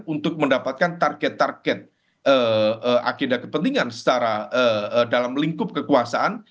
untuk mendapatkan target target agenda kepentingan secara dalam lingkup kekuasaan